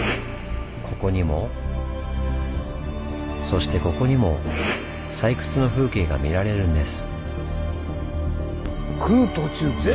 ここにもそしてここにも採掘の風景が見られるんです。